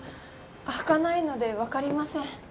履かないのでわかりません。